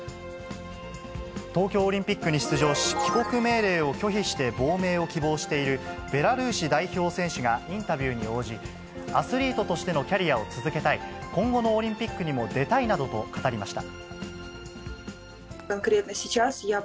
東京オリンピックに出場し、帰国命令を拒否して亡命を希望しているベラルーシ代表選手がインタビューに応じ、アスリートとしてのキャリアを続けたい、今後のオリンピックにも出たいなどと語りました。